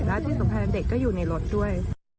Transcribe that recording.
และที่สำคัญเด็กก็อยู่ในรถด้วย